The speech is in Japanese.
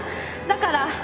だから